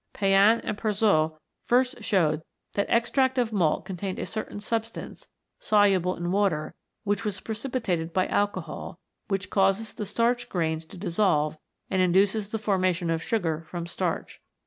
Payen and Persoz .first showed that extract of malt contained a certain substance, soluble in water, and which was precipitated by alcohol, which causes the starch grains to dissolve and induces the formation of sugar from starch.